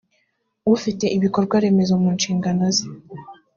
ufite ibikorwa remezo mu nshingano ze